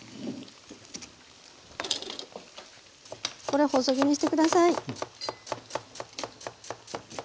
これ細切りにして下さい。